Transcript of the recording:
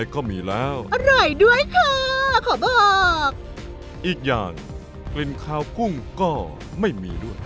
ขอบอกอีกอย่างกลิ่นขาวกุ้งก็ไม่มีด้วย